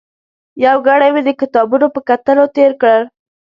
یو ګړی مې د کتابونو په کتلو تېر کړ.